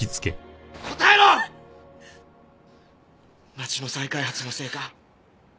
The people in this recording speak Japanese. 町の再開発のせいか？